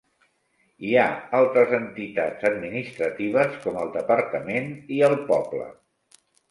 Hi ha altres entitats administratives com el departament i el poble.